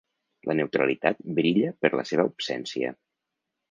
La neutralitat ‘brilla per la seva absència’